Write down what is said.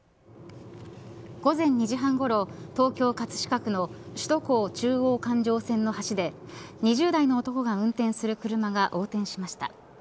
午前２時半ごろ東京、葛飾区の首都高中央環状線の橋で２０代の男が運転する車が横転しました。